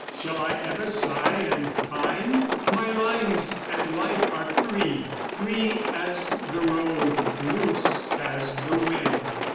Shall I ever sigh and pine? My lines and life are free, free as the road, Loose as the wind.